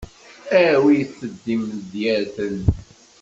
Awit-d imedyaten.